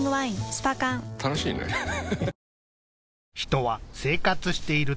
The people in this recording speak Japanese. スパ缶楽しいねハハハ